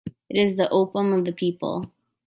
It is the opium of the people.